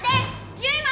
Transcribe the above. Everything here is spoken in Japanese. ユウマ！